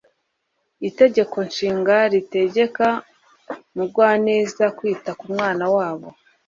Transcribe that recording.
itegeko shinga ritegeka mugwaneza kwita ku mwana wabo